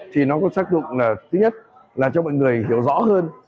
thì nó có tác dụng là thứ nhất là cho mọi người hiểu rõ hơn